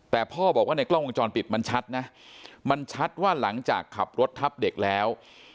แต่พ่อบอกว่าในกล้องวงจรปิดมันชัดนะมันชัดว่าหลังจากขับรถทับเด็กแล้ว